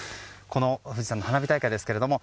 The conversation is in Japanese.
この富士山の花火大会ですけれども